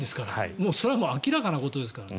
もうそれは明らかなことですからね。